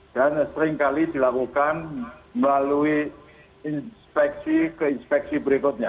dan seringkali dilakukan melalui inspeksi ke inspeksi berikutnya